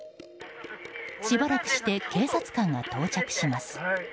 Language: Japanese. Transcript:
しばらくして警察官が到着します。